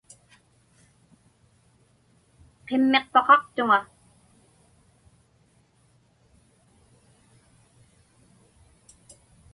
Qimmiqpaqaqtuŋa.